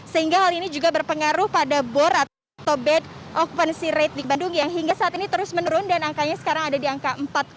sehingga hal ini juga berpengaruh pada bor atau bed occupancy rate di bandung yang hingga saat ini terus menurun dan angkanya sekarang ada di angka empat